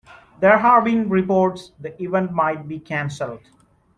There have been reports the event might be canceled.